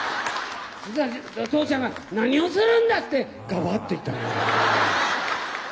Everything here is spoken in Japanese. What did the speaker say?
とうちゃんが「何をするんだ！」ってガバッといったの。